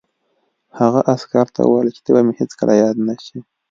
هغه عسکر ته وویل چې ته به مې هېڅکله یاد نه شې